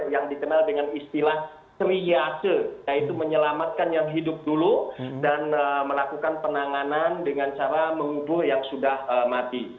yang dikenal dengan istilah triyase yaitu menyelamatkan yang hidup dulu dan melakukan penanganan dengan cara mengubur yang sudah mati